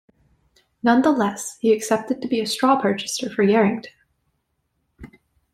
Nonetheless, he accepted to be a straw purchaser for Yarrington.